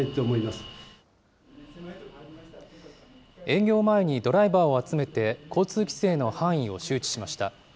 営業を前に、ドライバーを集めて交通規制の範囲を周知しました。